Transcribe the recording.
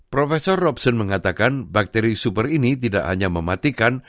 profesor robson mengatakan bakteri super ini tidak hanya mematikan